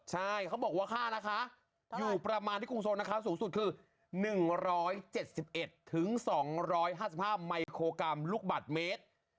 ใช่เขาบอกว่าค่านะคะอยู่ประมาณที่กรุงทรงนะคะสูงสุดคือ๑๗๑๒๕๕มิโครกรัมลูกบาทเมตร